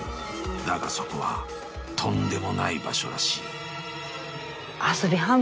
［だがそこはとんでもない場所らしい］